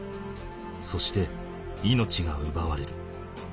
そして命が奪われる。